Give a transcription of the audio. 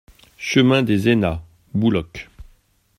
Chemin des Aynats, Bouloc